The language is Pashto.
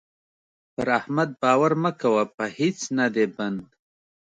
پر احمد باور مه کوه؛ په هيڅ نه دی بند.